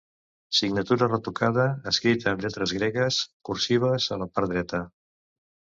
Signatura retocada, escrita amb lletres gregues cursives a la part dreta.